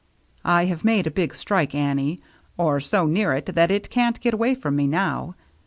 " I have made a big strike, Annie, or so near it that it can't get away from me now.